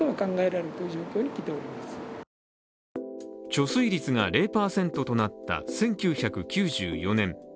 貯水率が０％となった１９９４年。